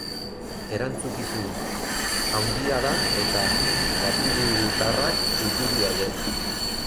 Erantzukizun handia da eta gatibutarrak urduri daude.